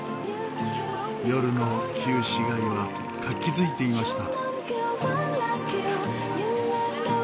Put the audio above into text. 夜の旧市街は活気づいていました。